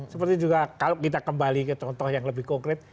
seperti juga kalau kita kembali ke contoh yang lebih konkret